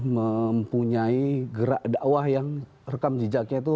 mempunyai gerak dakwah yang rekam jejaknya itu